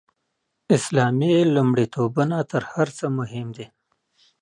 اسلامي لومړیتوبونه تر هر څه مهم دي.